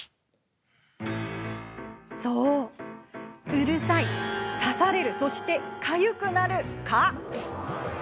そう、うるさい、刺されるそして、かゆくなる蚊。